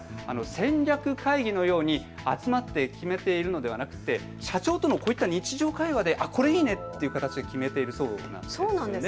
戦略会議のように集まって決めているのではなく社長との日常会話で、それいいねという形で決めているそうなんです。